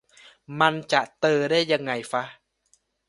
มันจะ "เตอ" ได้ไงฟะ